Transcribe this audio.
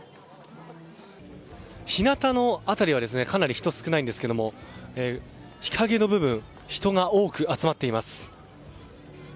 日なたの辺りはかなり人が少ないんですが日陰の部分人が多く集まっています。